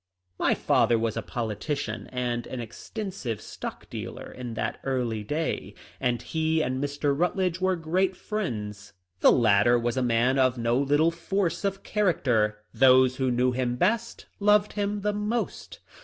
My father was a politician and an extensive stock dealer in that early day, and he and Mr. Rut ledge were great friends. The latter was a man of no little force of character ; those who knew him best loved him the most.